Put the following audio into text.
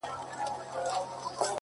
• وي دردونه په سيــــنـــــوكـــــــــي؛